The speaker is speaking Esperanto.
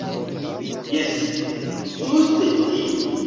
Jes, ĝuste tiu.